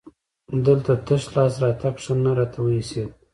دلته تش لاس راتګ ښه نه راته وایسېد.